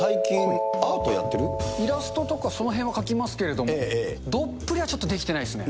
イラストとかそのへんは描きますけれども、どっぷりはちょっとできてないですね。